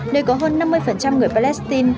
nơi có hơn năm mươi người palestine